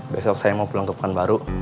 besok saya mau pulang ke peran baru